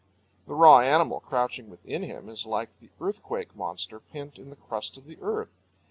The raw animal crouching within him is like the earthquake monster pent in the crust of the earth.